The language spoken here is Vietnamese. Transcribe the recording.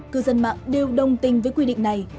cư dân mạng đều đồng tình với quy định này